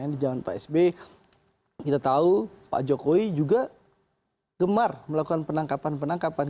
di zaman pak sb kita tahu pak jokowi juga gemar melakukan penangkapan penangkapan